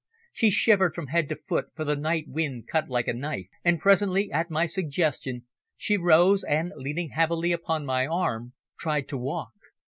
She shivered from head to foot, for the night wind cut like a knife, and presently, at my suggestion, she rose and, leaning heavily upon my arm, tried to walk.